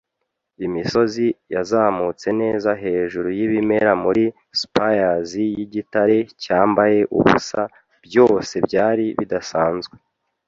imisozi yazamutse neza hejuru yibimera muri spiers yigitare cyambaye ubusa. Byose byari bidasanzwe